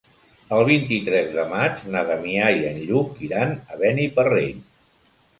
El vint-i-tres de maig na Damià i en Lluc iran a Beniparrell.